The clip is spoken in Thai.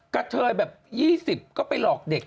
กระเทยแบบ๒๐ก็ไปหลอกเด็ก